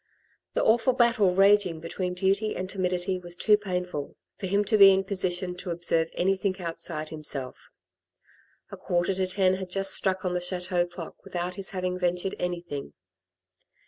The awful battle raging between duty and timidity was too painful, for him to be in position to observe anything outside himself. A quarter to ten had just struck on the chateau clock without his having ventured anything.